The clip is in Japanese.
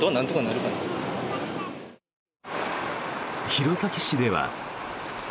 弘前市では。